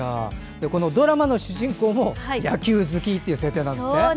ドラマの主人公も野球好きって設定なんですって？